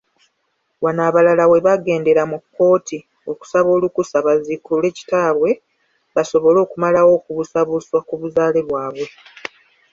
Wano abalala webaagendera mu kkooti okusaba olukusa baziikula kitaabwe basobole okumalawo okubuusabussa kubuzaale bwabwe.